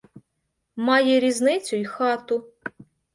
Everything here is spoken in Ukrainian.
Має різницю й хату.